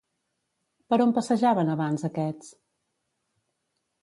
Per on passejaven abans aquests?